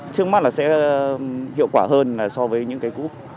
trước mắt là sẽ hiệu quả hơn là so với những cái cũ